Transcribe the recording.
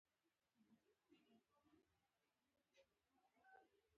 د لوستونکیو د نه لرلو ترڅنګ مشکل لرو.